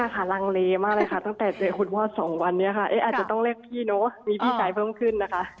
ค่ะลังเลมากเลยค่ะตั้งแต่เจอคุณพ่อ๒วันนี้ค่ะอาจจะต้องเรียกพี่เนอะมีที่จ่ายเพิ่มขึ้นนะคะ